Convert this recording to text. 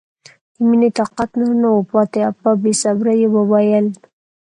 د مینې طاقت نور نه و پاتې او په بې صبرۍ یې وویل